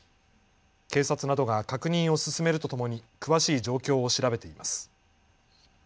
警察などが確認を進めるとともに詳しい状況を調べています。